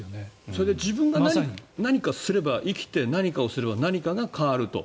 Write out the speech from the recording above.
それで自分が何かすれば生きて何かをすれば何かが変わると。